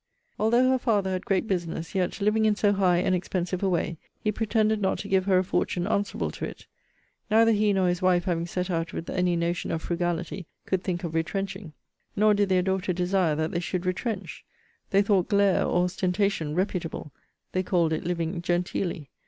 Although her father had great business, yet, living in so high and expensive a way, he pretended not to give her a fortune answerable to it. Neither he nor his wife having set out with any notion of frugality could think of retrenching. Nor did their daughter desire that they should retrench. They thought glare or ostentation reputable. They called it living genteely.